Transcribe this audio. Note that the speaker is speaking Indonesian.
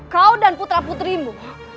kau dan putra putrimu